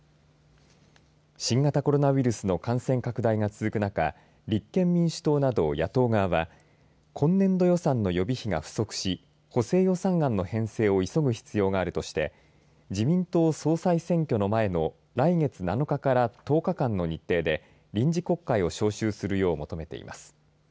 新型コロナウイルスの感染拡大が続く中立憲民主党など野党側は今年度予算の予備費が不足し補正予算案の編成を急ぐ必要があるとして自民党総裁選挙の前の来月７日から１０日間の日程で臨時国会を召集するよう求めています。